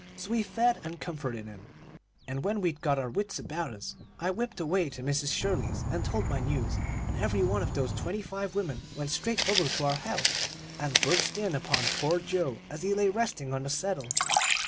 So we fed and comforted him; and when we'd got our wits about us, I whipped away to Mrs. Shirley's and told my news, and every one of those twenty five women went straight over to our house and burst in upon poor Joe, as he lay resting on the settle.